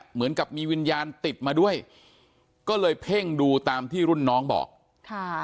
เหมือนกับมีวิญญาณติดมาด้วยก็เลยเพ่งดูตามที่รุ่นน้องบอกค่ะ